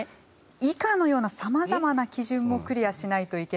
以下のようなさまざまな基準もクリアしないといけないんです。